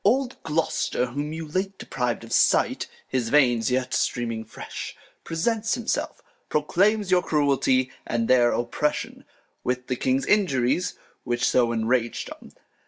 Old Gloster, whom you late depriv'd of Sight, (His Veins yet streaming fresh,) presents himself. Proclaims your Cruelty, and their Oppression, With the King's Injuries ; which so enrag'd 'em.